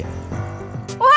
makasih mas randy